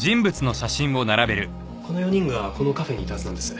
この４人がこのカフェにいたはずなんです。